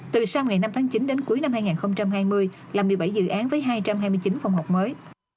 từ sau ngày năm tháng chín đến cuối năm hai nghìn hai mươi là một mươi bảy dự án với hai trăm hai mươi chín phòng học mới